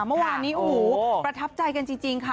เมื่อวานนี้โอ้โหประทับใจกันจริงค่ะ